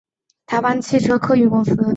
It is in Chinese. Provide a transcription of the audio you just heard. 台湾汽车客运公司